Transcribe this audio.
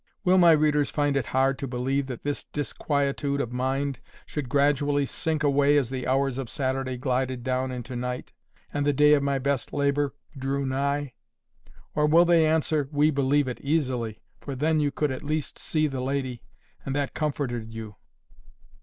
—Will my readers find it hard to believe that this disquietude of mind should gradually sink away as the hours of Saturday glided down into night, and the day of my best labour drew nigh? Or will they answer, "We believe it easily; for then you could at least see the lady, and that comforted you?"